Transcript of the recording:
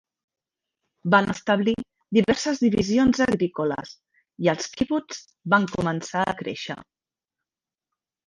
Van establir diverses divisions agrícoles i els quibuts van començar a créixer.